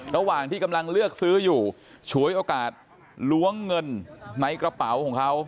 ระหว่างที่กำลังเลือกซื้ออยู่ฉวยโอกาสล้วงเงินในกระเป๋าของเขา